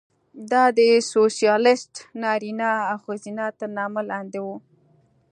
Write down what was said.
دا د سوسیالېست نارینه او ښځه تر نامه لاندې وه.